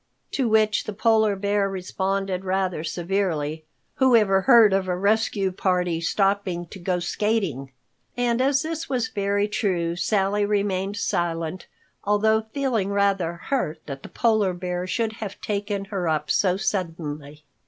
To which the Polar Bear responded rather severely, "Whoever heard of a rescue party stopping to go skating?" And as this was very true, Sally remained silent, although feeling rather hurt that the Polar Bear should have taken her up so suddenly.